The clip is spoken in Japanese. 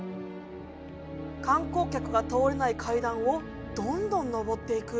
観光客が通れない階段をどんどん上っていく。